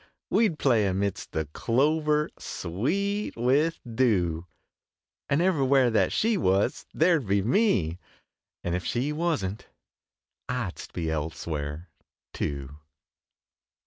We d play amidst the clover sweet with dew, And everywhere that she wast there d be me, And if she wasn t, I dst be elsewhere, too.